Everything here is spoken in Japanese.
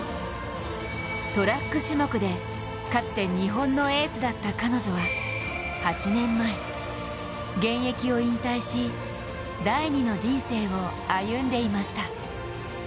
トラック種目でかつて日本のエースだった彼女は８年前、現役を引退し第２の人生を歩んでいました。